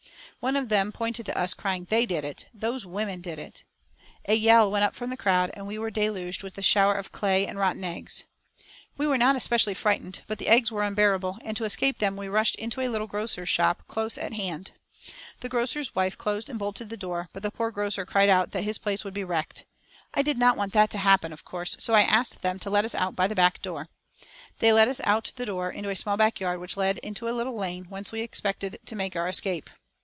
One of them pointed to us, crying: "They did it! Those women did it!" A yell went up from the crowd, and we were deluged with a shower of clay and rotten eggs. We were not especially frightened, but the eggs were unbearable, and to escape them we rushed into a little grocer's shop close at hand. The grocer's wife closed and bolted the door, but the poor grocer cried out that his place would be wrecked. I did not want that to happen, of course, so I asked them to let us out by the back door. They led us out the door, into a small back yard which led into a little lane, whence we expected to make our escape.